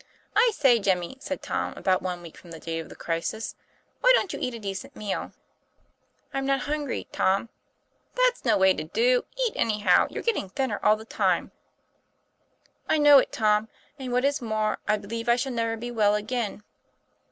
"I say, Jimmy," said Tom, about one week from the date of the crisis, "why don't you eat a decent meal?" 'I'm not hungry, Tom." "That's no way to do; eat, anyhow; you're get ting thinner all the time." 'I know it, Tom; and, what is more, I believe I shall never be well again."